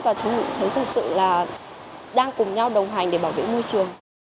và chúng mình thấy thực sự là đang cùng nhau đồng hành để bảo vệ môi trường